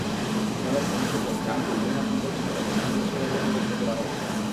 তাঁদের কাছ থেকে চাকু, লোহার হাতলসহ ডাকাতির সরঞ্জাম জব্দ করা হয়েছে।